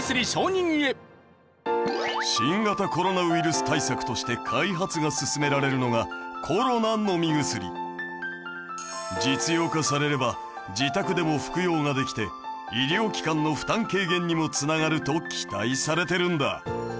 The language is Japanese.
新型コロナウイルス対策として開発が進められるのが実用化されれば自宅でも服用ができて医療機関の負担軽減にも繋がると期待されてるんだ。